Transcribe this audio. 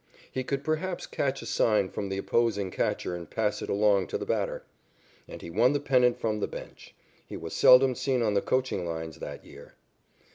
He could perhaps catch a sign from the opposing catcher and pass it along to the batter. And he won the pennant from the bench. He was seldom seen on the coaching lines that year.